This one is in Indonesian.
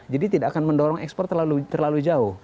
jadi tidak akan mendorong ekspor terlalu jauh